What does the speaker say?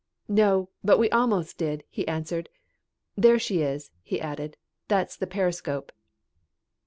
"No, but we almost did," he answered. "There she is," he added. "That's the periscope."